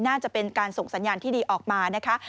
น่าจะเป็นการส่งสัญญาณที่ดีออกมานะคะ